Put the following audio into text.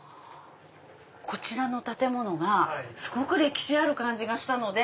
こちらの建物がすごく歴史ある感じがしたので。